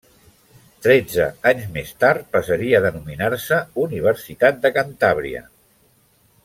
Tretze anys més tard passaria a denominar-se Universitat de Cantàbria.